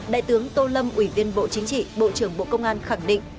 đại tướng tô lâm ủy viên bộ chính trị bộ trưởng bộ công an khẳng định